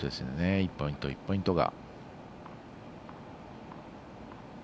１ポイント、１ポイントが。